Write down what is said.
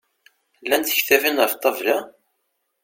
Llant tektabin ɣef ṭṭabla?